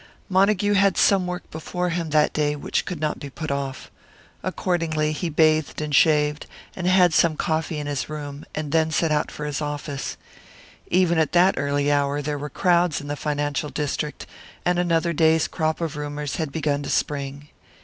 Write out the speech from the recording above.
Montague had some work before him that day which could not be put off. Accordingly he bathed and shaved, and had some coffee in his room, and then set out for his office. Even at that early hour there were crowds in the financial district, and another day's crop of rumours had begun to spring.